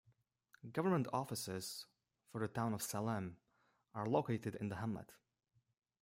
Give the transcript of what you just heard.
Government offices for the Town of Salem are located in the hamlet.